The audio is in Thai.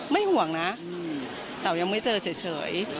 ห่วงนะแต่ยังไม่เจอเฉย